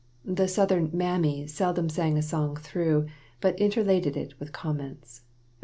The Southern "Mammy" seldom sang a song through, but interladed it with comments.